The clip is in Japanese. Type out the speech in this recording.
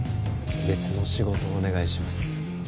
別の仕事をお願いします